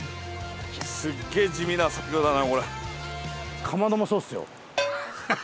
すっげぇ地味な作業だな、かまどもそうっすよ。